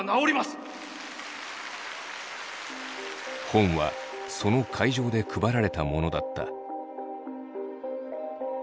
本はその会場で配られたものだった。